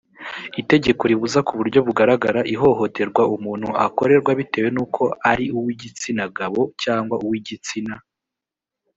itegeko ribuza ku buryo bugaragara ihohoterwa umuntu akorerwa bitewe n uko ari uw igitsina gabo cyangwa uw igitsina